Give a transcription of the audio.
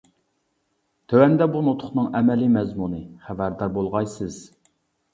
تۆۋەندە بۇ نۇتۇقنىڭ ئەمەلىي مەزمۇنى خەۋەردار بولغايسىز!